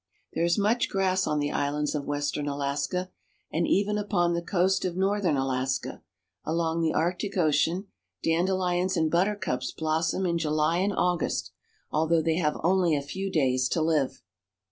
There is much grass on the islands of west ern Alaska; and even upon the coast of northern Alaska, along the Arctic Ocean, dandelions and buttercups blossom in July and August, although they have only a few days to live.